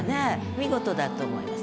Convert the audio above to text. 見事だと思います。